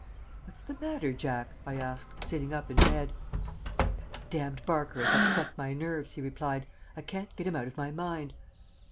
"What's the matter, Jack?" I asked, sitting up in bed. "That d ned Barker has upset my nerves," he replied. "I can't get him out of my mind."